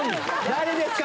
誰ですか？